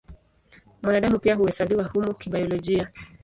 Mwanadamu pia huhesabiwa humo kibiolojia.